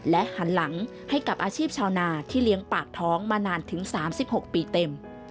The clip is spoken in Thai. หันหลังให้กับอาชีพชาวนาที่เลี้ยงปากท้องมานานถึง๓๖ปีเต็ม